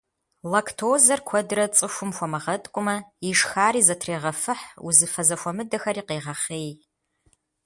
Лактозэр куэдрэ цӀыхум хуэмыгъэткӀумэ, ишхари зэтрегъэфыхь, узыфэ зэхуэмыдэхэри къегъэхъей.